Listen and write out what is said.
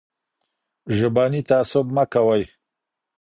ژبني تعصب مه کوئ.